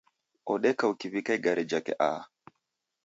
Odeka ukiw'ika igare jake aha.